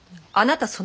あなた